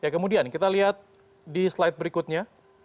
kemudian kita lihat di slide berikutnya